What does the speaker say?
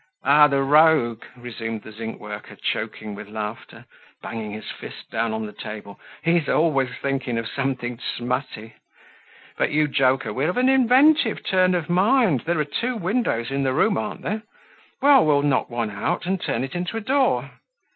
"Ah, the rogue!" resumed the zinc worker, choking with laughter, banging his fist down on the table, "he's always thinking of something smutty! But, you joker, we're of an inventive turn of mind! There're two windows in the room, aren't there? Well, we'll knock one out and turn it into a door.